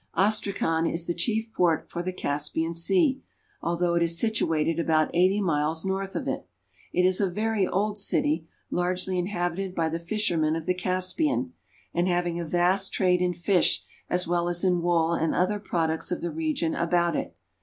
Astrachan is the chief port for the Caspian Sea, al though it is situated about eighty miles north of it. It is a very old city, largely inhabited by the fishermen of the Caspian, and having a vast trade in fish as well as in wool and other products of the region about it.